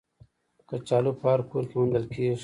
کچالو په هر کور کې موندل کېږي